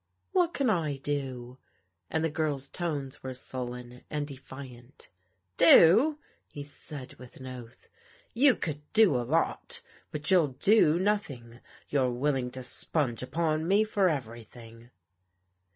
"What can I do?" and the girl's tones were sullen and defiant. " Do !" he said with an oath. " You could do a lot But you'll do nothing. You're willing to sponge upon me for everything."